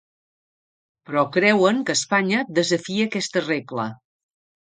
Però creuen que Espanya ‘desafia aquesta regla’.